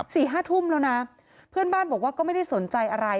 สี่ห้าทุ่มแล้วนะเพื่อนบ้านบอกว่าก็ไม่ได้สนใจอะไร